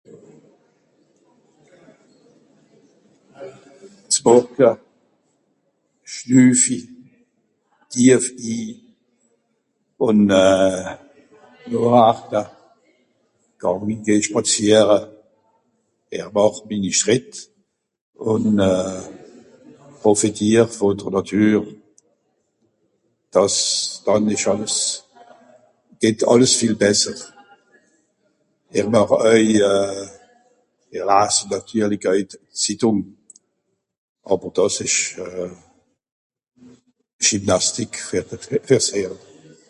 Je profite de la nature et tout va Mieux